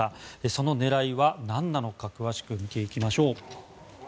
その狙いはなんなのか詳しく見ていきましょう。